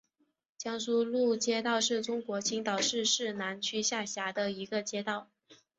江苏路街道是中国青岛市市南区下辖的一个街道。